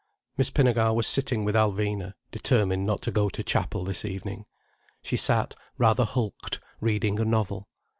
Miss Pinnegar was sitting with Alvina, determined not to go to Chapel this evening. She sat, rather hulked, reading a novel.